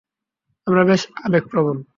আমরা বেশ আবেগপ্রবণ।